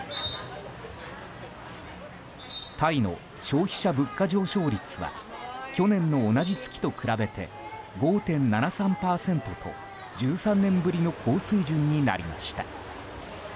タイの消費者物価上昇率は去年の同じ月と比べて５．７３％と１３年ぶりの高水準になりました。